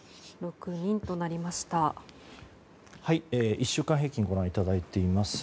１週間平均をご覧いただいています。